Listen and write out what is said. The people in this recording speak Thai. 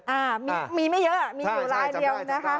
อ่ามีไม่เยอะมีอยู่รายเดียวนะคะใช่ใช่จำได้จำได้